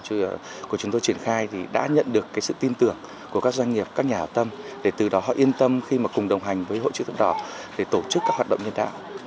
các doanh nghiệp của chúng tôi triển khai đã nhận được sự tin tưởng của các doanh nghiệp các nhà hảo tâm để từ đó họ yên tâm khi cùng đồng hành với hội chữ thập đỏ để tổ chức các hoạt động nhân đạo